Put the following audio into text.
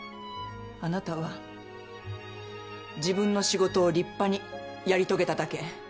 あなたは自分の仕事を立派にやり遂げただけ。